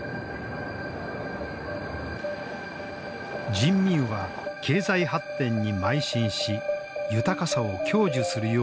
人民は経済発展にまい進し豊かさを享受するようになった。